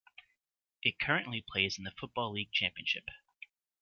It currently plays in the Football League Championship.